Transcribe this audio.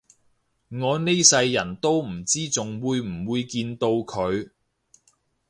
我呢世人都唔知仲會唔會見到佢